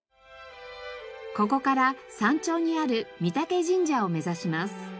ここから山頂にある御嶽神社を目指します。